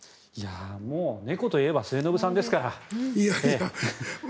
もう猫といえば末延さんですから。